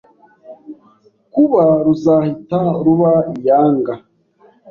kuba ruzahita ruba iyanga